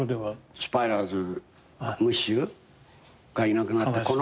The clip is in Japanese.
スパイダースムッシュがいなくなってこの前七回忌を。